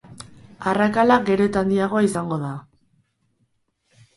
Arrakala gero eta handiagoa izango da.